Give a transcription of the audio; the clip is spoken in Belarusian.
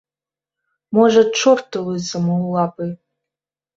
Можа чорту лысаму ў лапы!